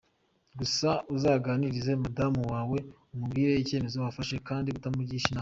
Gusa uzaganirize madam wawe umubwire icyemezo wafashe kd utamugisha inama.